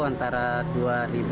antara dua hari